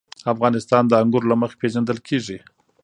افغانستان د انګور له مخې پېژندل کېږي.